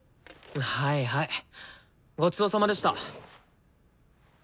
はいはいごちそうさまでした。